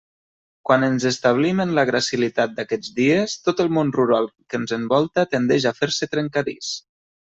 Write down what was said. Quan ens establim en la gracilitat d'aquests dies, tot el món rural que ens envolta tendeix a fer-se trencadís.